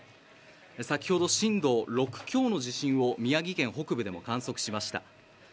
先ほど震度６強の地震を宮城県北部でも観測しました。